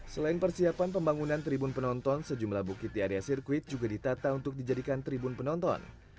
selain persiapan pembangunan tribun penonton sejumlah bukit di area sirkuit juga ditata untuk dijadikan tribun penonton